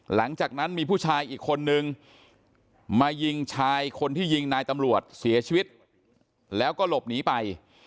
หลังจากนั้นมีผู้ชายอีกคนนึงมายิงชายคนที่ยิงนายตำรวจเสียชีวิตแล้วก็หลบหนีไป